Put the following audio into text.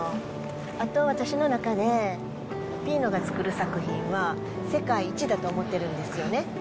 あと、私の中でピーノが作る作品は、世界一だと思ってるんですよね。